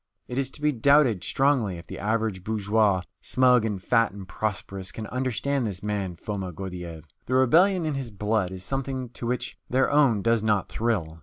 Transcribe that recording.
It is to be doubted strongly if the average bourgeois, smug and fat and prosperous, can understand this man Foma Gordyeeff. The rebellion in his blood is something to which their own does not thrill.